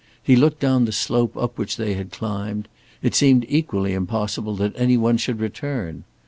He looked down the slope up which they had climbed it seemed equally impossible that any one should return.